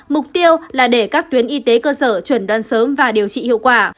mục tiêu là để các tuyến y tế cơ sở chuẩn đoán sớm và điều trị hiệu quả